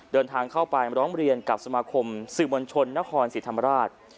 เดินทางเข้าไปร้องเรียนกับสมาคมสื่อมวลชนนครศรีธรรมราช